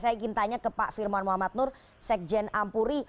saya ingin tanya ke pak firman muhammad nur sekjen ampuri